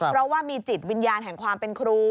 เพราะว่ามีจิตวิญญาณแห่งความเป็นครู